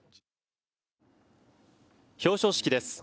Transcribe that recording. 表彰式です。